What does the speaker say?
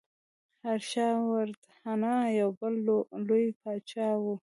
هرشا وردهنا یو بل لوی پاچا و.